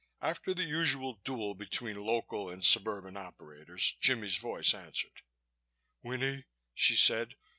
After the usual duel between local and suburban operators, Jimmie's voice answered. "Winnie," she said.